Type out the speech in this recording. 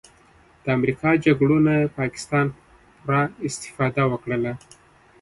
د امریکا جګړو نه پاکستان پوره استفاده وکړله